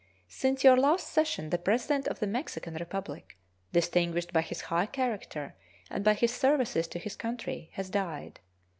Since your last session the President of the Mexican Republic, distinguished by his high character and by his services to his country, has died.